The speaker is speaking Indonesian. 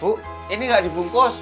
bu ini gak dibungkus